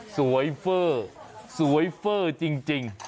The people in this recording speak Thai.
สวยเฟอร์สวยเฟอร์จริง